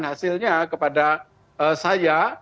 hasilnya kepada saya